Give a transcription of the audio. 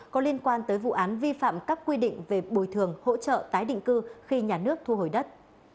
có liên quan tới vụ án vi phạm các quy định về bồi thường hỗ trợ tái định cư khi nhà nước thu hồi đất